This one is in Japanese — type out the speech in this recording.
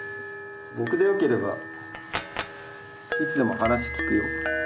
僕でよければいつでも話聞くよ」。